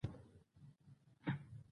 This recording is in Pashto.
نمک د افغانانو د معیشت سرچینه ده.